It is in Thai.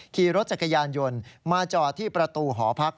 ขี่รถจักรยานยนต์มาจอดที่ประตูหอพัก